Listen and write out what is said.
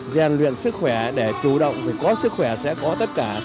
gian luyện sức khỏe để chủ động vì có sức khỏe sẽ có tất cả